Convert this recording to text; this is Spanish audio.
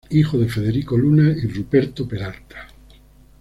Hijo de Federico Luna y Ruperto Peralta.